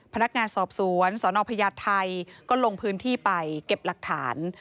พนักงานสอบสวนสนพญาไทยก็ลงพื้นที่ไปเก็บหลักฐาน